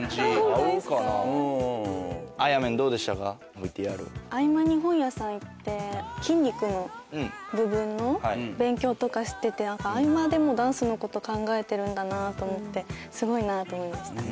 合間に本屋さん行って筋肉の部分の勉強とかしてて合間でもダンスのこと考えてるんだなと思ってすごいなと思いました。